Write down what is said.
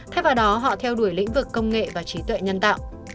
thay vào đó họ theo đuổi lĩnh vực công nghệ và trí tuệ nhân tạo